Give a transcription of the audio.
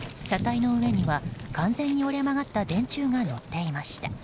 車体の上には完全に折れ曲がった電柱が乗っていました。